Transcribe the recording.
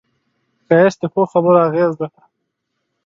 ښایست د ښو خبرو اغېز دی